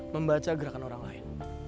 membaca gerakan orang lain